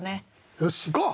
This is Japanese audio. よしいこう！